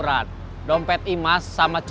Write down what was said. kamu lagi enggak jualan ma oke